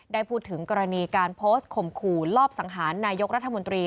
ได้พูดถึงกรณีการโพสต์ข่มขู่ลอบสังหารนายกรัฐมนตรี